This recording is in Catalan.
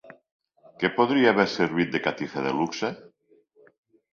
Què podria haver servit de catifa de luxe?